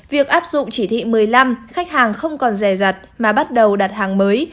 việc áp dụng chỉ thị một mươi năm khách hàng không còn rè rặt mà bắt đầu đặt hàng mới